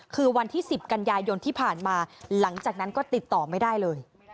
คือวันที่๑๐กันยายนที่ผ่านมาหลังจากนั้นก็ติดต่อไม่ได้เลย